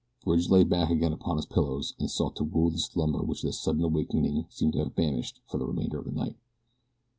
Bridge lay back again upon his pillows and sought to woo the slumber which the sudden awakening seemed to have banished for the remainder of the night.